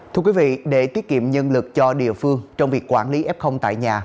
thưa quý vị để tiết kiệm nhân lực cho địa phương trong việc quản lý f tại nhà